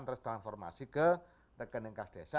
tersekanformasi ke rekening kas desa